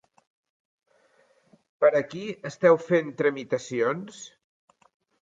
Per a qui esteu fent tramitacions?